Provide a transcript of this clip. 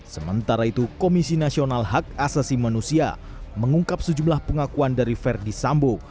sementara itu komisi nasional hak asasi manusia mengungkap sejumlah pengakuan dari verdi sambo